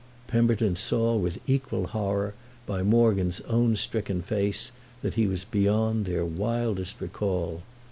Pemberton saw with equal horror, by Morgan's own stricken face, that he was beyond their wildest recall.